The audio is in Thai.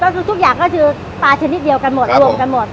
ก็คือทุกอย่างก็คือปลาชนิดเดียวกันหมดครับผมรวมกันหมด